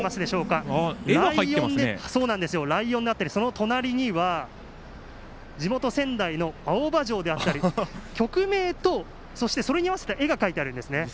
ライオンだったりその隣には地元・仙台の青葉城であったり曲名とそれに合わせた絵が描いてあるんですね。